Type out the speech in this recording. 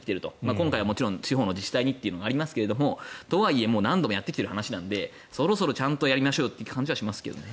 今回は地方自治体にというのがありますがとはいえ何度もやってきてるはずなのでそろそろちゃんとやりましょうって感じがしますね。